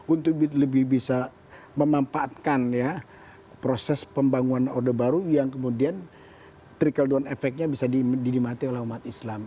untuk lebih bisa memanfaatkan ya proses pembangunan order baru yang kemudian trickle down efeknya bisa dimatikan oleh umat islam